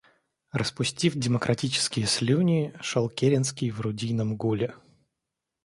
Распустив демократические слюни, шел Керенский в орудийном гуле.